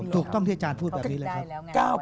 ถูกต้องที่อาจารย์พูดแบบนี้เลยครับ